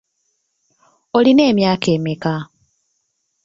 Olina emyaka emmeka?